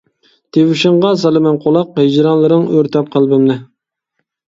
تىۋىشىڭغا سالىمەن قۇلاق، ھىجرانلىرىڭ ئۆرتەپ قەلبىمنى.